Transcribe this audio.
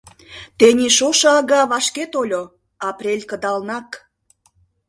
Тений шошо ага вашке тольо: апрель кыдалнак.